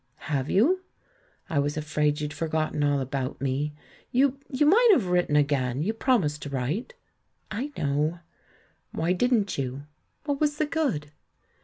"Have you? I was afraid you'd forgotten all about me. ... You — you might have written again ; you promised to write !" "I know." "Why didn't you?" "What was the good?"